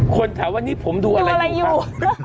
คนถามว่านี่ผมดูอะไรอยู่